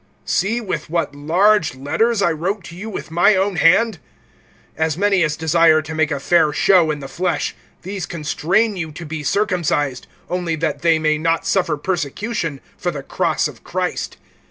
(11)See with what large letters I wrote to you with my own hand. (12)As many as desire to make a fair show in the flesh, these constrain you to be circumcised; only that they may not suffer persecution for the cross of Christ.